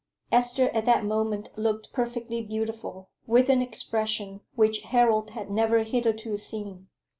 Esther at that moment looked perfectly beautiful, with an expression which Harold had never hitherto seen.